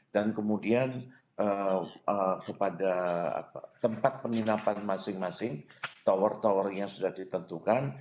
dan kemudian kepada tempat penginapan masing masing tower towernya sudah ditentukan